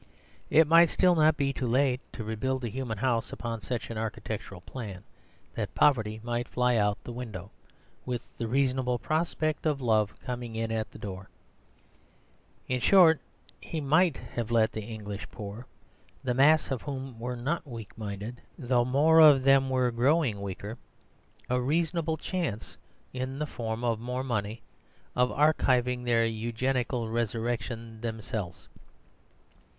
It might still not be too late to rebuild the human house upon such an architectural plan that poverty might fly out of the window, with the reasonable prospect of love coming in at the door. In short, he might have let the English poor, the mass of whom were not weak minded, though more of them were growing weaker, a reasonable chance, in the form of more money, of achieving their eugenical resurrection themselves.